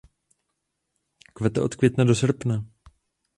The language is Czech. Kvete od května do srpna.